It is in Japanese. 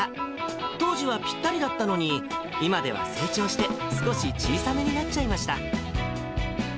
当時はぴったりだったのに、今では成長して、少し小さめになっちゃいました。